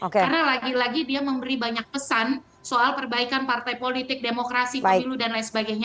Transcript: karena lagi lagi dia memberi banyak pesan soal perbaikan partai politik demokrasi pemilu dan lain sebagainya